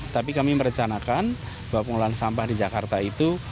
tapi kami merencanakan bahwa pengolahan sampah di jakarta itu